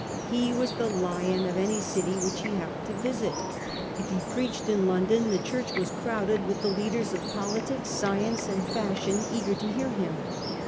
He was the lion of any city which he hap pened to visit. If he preached in London, the church was crowded with the leaders of politics, science and fashion, eager to hear him.